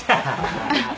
ハハハハ。